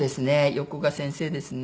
横が先生ですね。